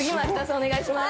お願いします。